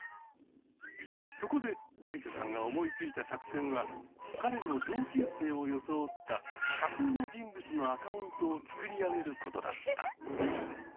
そこでアリサさんが思いついた作戦は彼の同級生を装った架空の人物のアカウントを作り上げることだった。